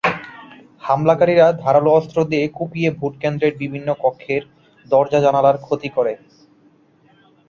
হামলাকারীরা ধারালো অস্ত্র দিয়ে কুপিয়ে ভোটকেন্দ্রের বিভিন্ন কক্ষের দরজা-জানালার ক্ষতি করে।